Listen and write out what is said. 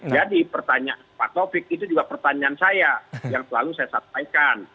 pertanyaan pak taufik itu juga pertanyaan saya yang selalu saya sampaikan